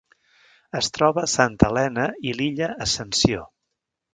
Es troba a Santa Helena i l'Illa Ascensió.